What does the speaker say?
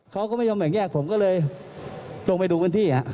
เขาก็ไม่ยอมเหมือนแหล่ะผมจงลงไปดูที่